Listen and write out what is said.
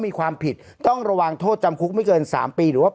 มีความผิดต้องระวังโทษจำคุกไม่เกิน๓ปีหรือว่า